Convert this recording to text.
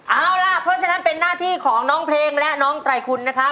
เอาล่ะเพราะฉะนั้นเป็นหน้าที่ของน้องเพลงและน้องไตรคุณนะครับ